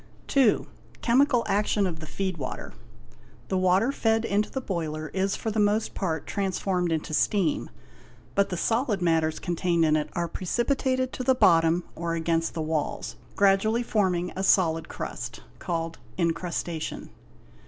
B. Chemical action of the feed water. The water fed into the boiler is for the most part transformed into steam, but the solid matters con _ tained in it are precipitated to the bottom or against the walls, gradually forming a solid crust, called incrustation.